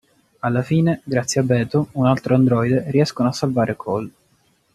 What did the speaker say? Alla fine grazie a Beto, un altro androide, riescono a salvare Cole.